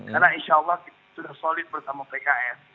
karena insyaallah sudah solid bersama pki